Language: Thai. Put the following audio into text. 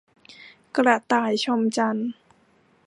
กระต่ายชมจันทร์